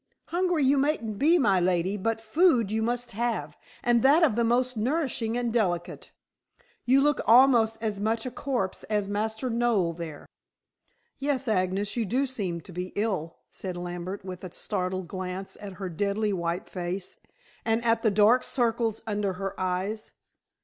"Hungry you mayn't be, my lady, but food you must have, and that of the most nourishing and delicate. You look almost as much a corpse as Master Noel there." "Yes, Agnes, you do seem to be ill," said Lambert with a startled glance at her deadly white face, and at the dark circles under her eyes.